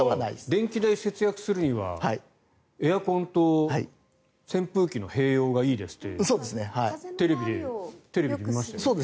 電気代を節約するにはエアコンと扇風機の併用がいいですってテレビで見ましたよ。